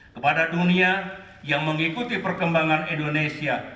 kepada dunia yang mengikuti perkembangan indonesia